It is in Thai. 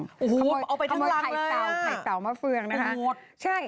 ขโมยไข่เตาไข่เตามะเฟืองนะคะ